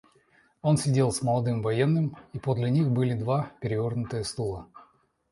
Он сидел с молодым военным, и подле них были два перевернутые стула.